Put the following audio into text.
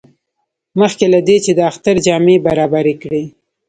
مخکې له دې چې د اختر جامې برابرې کړي.